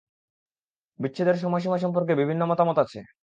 বিচ্ছেদের সময়সীমা সম্পর্কে বিভিন্ন মতামত আছে।